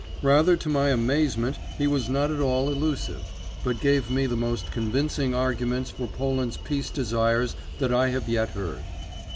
Rather to my amazement he was not at all elusive, but gave me the most convincing Arguments for Poland's peace desires that I have yet heard.